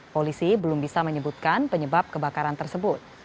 polisi belum bisa menyebutkan penyebab kebakaran tersebut